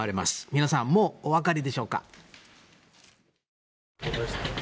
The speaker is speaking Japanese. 皆さん、もうお分かりでしょうか。